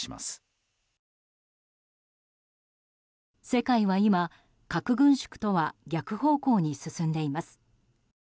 世界は今、核軍縮とは逆方向に進んでいます。